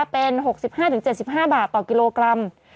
เป็น๖๕๗๕บาทต่อกิโลกรัม